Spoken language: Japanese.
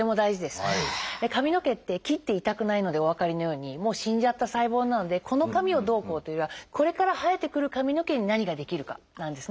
髪の毛って切って痛くないのでお分かりのようにもう死んじゃった細胞なのでこの髪をどうこうというよりはこれから生えてくる髪の毛に何ができるかなんですね。